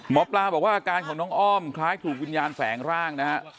หมอปลาบอกว่าอาการของน้องอ้อมคล้ายถูกวิญญาณแฝงร่างนะฮะ